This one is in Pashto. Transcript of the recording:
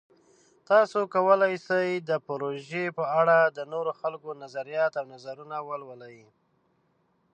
تاسو کولی شئ د پروژې په اړه د نورو خلکو نظریات او نظرونه ولولئ.